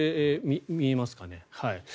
見えますかね。